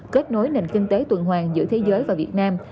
kết nối nền kinh tế tuần hoàng giữa thế giới và việt nam